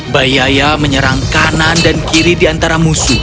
bayaya menyerang kanan dan kiri di antara musuh